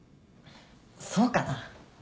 そうかな？